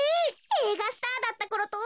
えいがスターだったころとおんなじ。